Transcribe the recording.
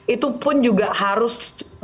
itu pun juga harus